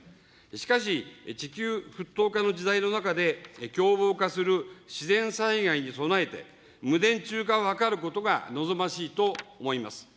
しかし地球沸騰化の時代の中で、凶暴化する自然災害に備えて、無電柱化を図ることが望ましいと思います。